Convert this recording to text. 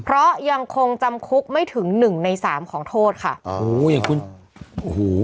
เพราะยังคงจำคุกไม่ถึงหนึ่งในสามของโทษค่ะโอ้โหอย่างคุณโอ้โห